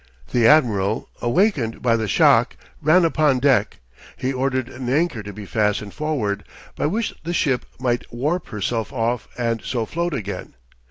The admiral, awakened by the shock, ran upon deck; he ordered an anchor to be fastened forward, by which the ship might warp herself off and so float again.